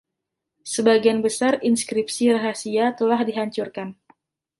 Sebagian besar inskripsi rahasia telah dihancurkan.